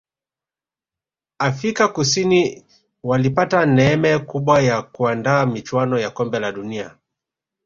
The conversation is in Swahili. afika kusini walipata neeme kubwa ya kuandaa michuano ya kombe la dunia